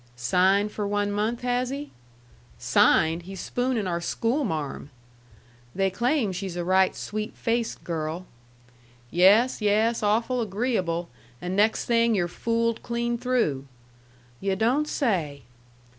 "Signed for one month, has he?" "Signed! He's spooning our schoolmarm!" "They claim she's a right sweet faced girl." "Yes; yes; awful agreeable. And next thing you're fooled clean through." "Yu' don't say!"